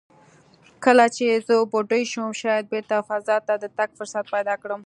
کله چې زه بوډۍ شم، شاید بېرته فضا ته د تګ فرصت پیدا کړم."